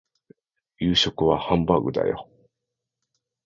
夕食はハンバーグだよ